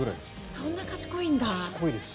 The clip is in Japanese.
そんな賢いんだ。